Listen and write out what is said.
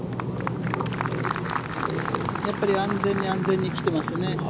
やっぱり安全に安全に来ていますね。